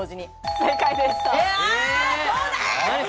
正解です。